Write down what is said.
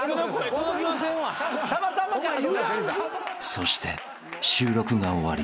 ［そして収録が終わり］